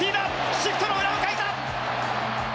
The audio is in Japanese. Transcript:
シフトの裏をかいた！